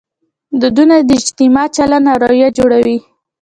دودونه د اجتماع چلند او رویه جوړوي.